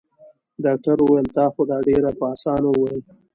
ډاکټر وويل تا خو دا ډېر په اسانه وويل.